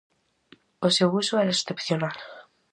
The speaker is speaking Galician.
O seu uso era excepcional.